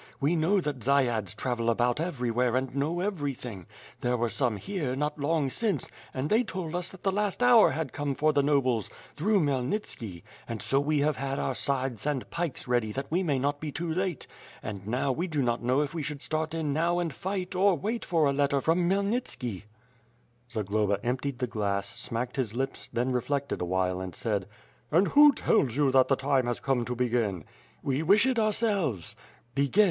We know that dziads travel about everywhere and know everything. There were some here, not long since, and they told us that the last hour had come for the nobles, through Khmyelnitski, and so we have had our scythes and pikes ready that we may not be too late; and now we do not know if we should start in now and fight or wait for a letter frojii Khmyelnitski,'^ mfti FtRE AND SWORD, 265 Zagloba emptied the glass, smacked his lips, then reflected a while and said: "And who tells you that the time has come to begin?" "We wish it ourselves." "Begin!